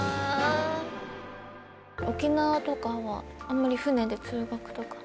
沖縄とかはあんまり船で通学とか。